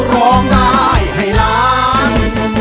ร้องได้ให้ล้าน